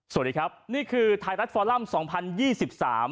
สวัสดีครับนี่คือไทยรัฐฟอลัมสองพันยี่สิบสาม